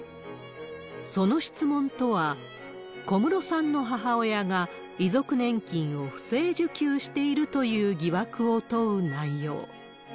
その質問とは、小室さんの母親が遺族年金を不正受給しているという疑惑を問う内容。